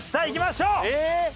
いきましょう！